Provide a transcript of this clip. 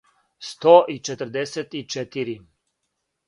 сто и четрдесет и четири